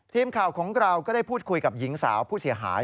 ทีมข่าวของเราก็ได้พูดคุยกับหญิงสาวผู้เสียหาย